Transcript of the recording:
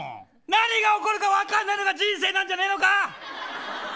何が起こるか分からないのが人生なんじゃないのか。